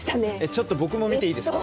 ちょっと僕も見ていいですか？